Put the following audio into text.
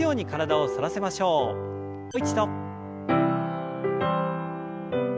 もう一度。